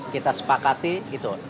kita sepakati gitu